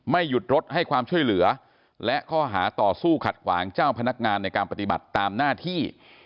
หยุดรถให้ความช่วยเหลือและข้อหาต่อสู้ขัดขวางเจ้าพนักงานในการปฏิบัติตามหน้าที่